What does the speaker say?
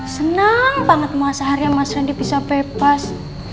senang banget mau seharian mas rendy bisa bebas